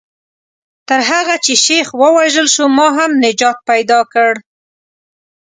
تر هغه چې شیخ ووژل شو ما هم نجات پیدا کړ.